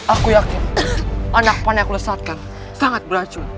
aku yakin anak pan yang aku lesatkan sangat beracun